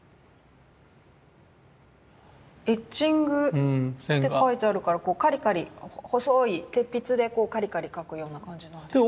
エッチングって書いてあるからこうカリカリ細い鉄筆でこうカリカリ描くような感じなんですかね。